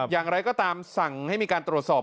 อย่างไรก็ตามสั่งให้มีการตรวจสอบ